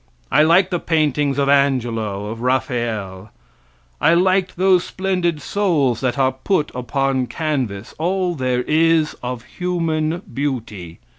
I like the paintings of Angelo, of Raphael I like those splendid souls that are put upon canvas all there is of human beauty.